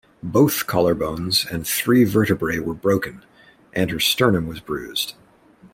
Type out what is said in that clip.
Both collarbones and three vertebrae were broken, and her sternum was bruised.